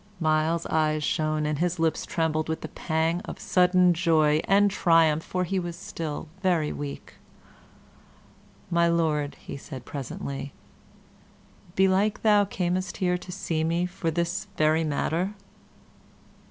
Myles's eyes shone and his lips trembled with the pang of sudden joy and triumph, for he was still very weak. "My Lord," said he, presently "belike thou camest here to see me for this very matter?"